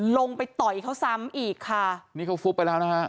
ไปต่อยเขาซ้ำอีกค่ะนี่เขาฟุบไปแล้วนะฮะ